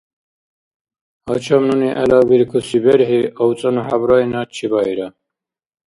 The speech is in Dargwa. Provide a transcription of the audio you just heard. Гьачам нуни гӀелабиркуси берхӀи авцӀанну хӀябрайна чебаира.